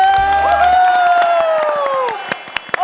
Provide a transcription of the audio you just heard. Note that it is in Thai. โอ้โห